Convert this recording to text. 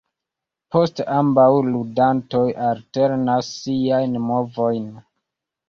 Poste ambaŭ ludantoj alternas siajn movojn.